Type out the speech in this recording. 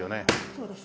そうです。